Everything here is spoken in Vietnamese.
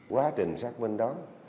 quá trình xác minh đó